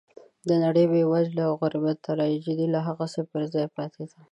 د نړۍ د بېوزلۍ او غربت تراژیدي لا هغسې پر ځای پاتې ده.